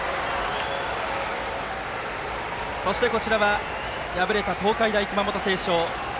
そしてこちらは敗れた東海大熊本星翔。